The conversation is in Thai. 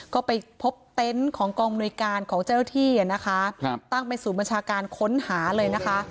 ก็ไปพบเต็นต์ของกองบริการของเจ้าที่นะคะตั้งไปสู่บัญชาการค้นหาเลยนะคะ